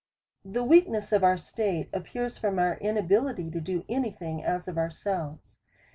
The weakness of our state appears from our inabi lity to do any thing , as of ourselves.